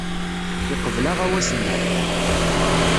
Yeqbel aɣawas-nneɣ.